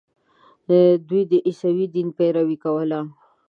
دوی د عیسوي دین پیروي کوله.